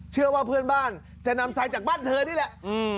เชื่อว่าเพื่อนบ้านจะนำทรายจากบ้านเธอนี่แหละ